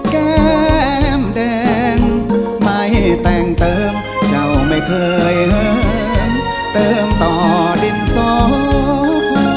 แก้มแดงไม่แต่งเติมเจ้าไม่เคยแหมเติมต่อดินสอพอ